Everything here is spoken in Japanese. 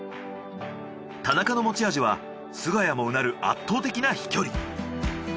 田中の持ち味は菅谷もうなる圧倒的な飛距離。